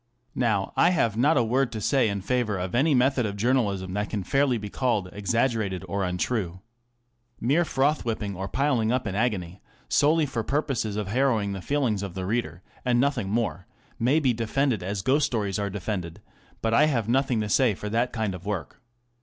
Now, I have not a word to say in favour of any method of journalism that can fairly be called exaggerated or untrue. Mere froth whipping or piling up the agony, solely for purposes of harrowing the feelings of the reader, and nothing more, may be defended as ghost stories are defended ; but I have nothing to say for that kind of work.